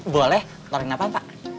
boleh tolongin apa pak